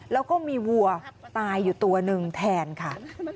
แล้วก็มีวัวตายอยู่ตัวหนึ่งแทนค่ะ